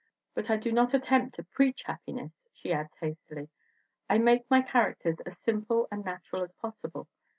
But I do not attempt to preach happiness,'* she adds hastily. "I make my characters as simple and natural as possible.